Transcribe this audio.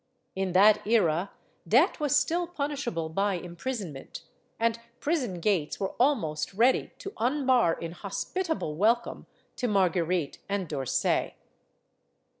In that era, debt was still punishable by imprisonment, and prison gates were almost ready to unbar in hospitable welcome to Marguerite and D'Orsay.